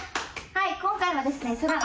はい今回はですね。